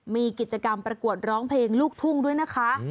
มีกิจกรรมประกวดร้องเพลงลูกทุ่งด้วยนะคะ